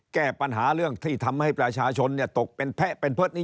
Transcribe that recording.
แก้ปัญหาเรื่องที่ทำให้ประชาชนตกเป็นแพะเป็นเพิษนี้